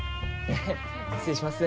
失礼します。